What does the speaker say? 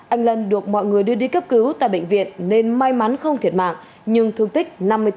anh lân được mọi người đưa đi cấp cứu tại bệnh viện nên may mắn không thiệt mạng nhưng thương tích năm mươi bốn